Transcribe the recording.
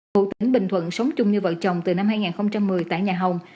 ngụ tỉnh bình thuận sống chung như vợ chồng từ năm hai nghìn một mươi tại nhà hồng